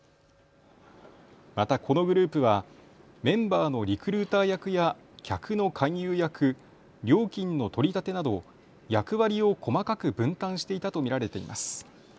また、このグループはメンバーのリクルーター役や客の勧誘役、料金の取り立てなど役割を細かく分担していたと見られています。